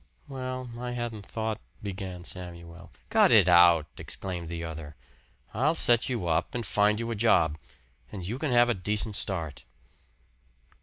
"Well, I hadn't thought " began Samuel. "Cut it out!" exclaimed the other. "I'll set you up, and find you a job, and you can have a decent start."